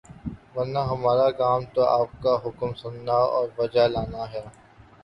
ورنہ ہمارا کام تو آپ کا حکم سننا اور بجا لانا ہے۔